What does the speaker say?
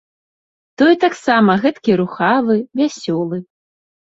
Той таксама гэткі рухавы, вясёлы.